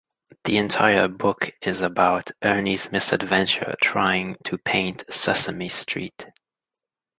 The entire book is about Ernie's misadventure trying to paint Sesame Street.